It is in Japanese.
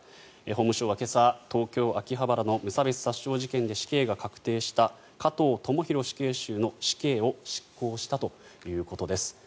法務省は今朝東京・秋葉原の無差別殺傷事件で死刑が確定した加藤智大死刑囚の死刑を執行したということです。